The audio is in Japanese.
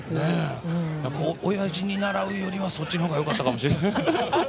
おやじに習うよりはそっちの方がよかったかもしれない。